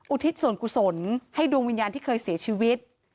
ทิศส่วนกุศลให้ดวงวิญญาณที่เคยเสียชีวิต